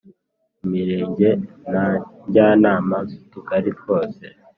Imirenge na njyanama z’utugari twose.